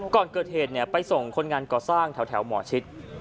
ก่อนเกิดเหตุไปส่งคนงานก่อสร้างแถวหมอชิด